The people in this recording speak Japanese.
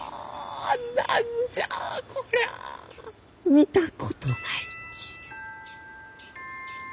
見たことないき。